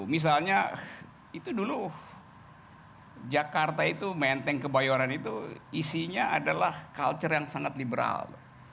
misalnya itu dulu jakarta itu menteng kebayoran itu isinya adalah culture yang sangat liberal